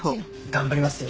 頑張りますよ。